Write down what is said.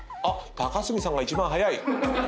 高杉さんが一番早い。